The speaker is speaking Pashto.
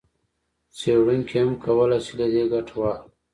څېړونکي هم کولای شي له دې ګټه واخلي.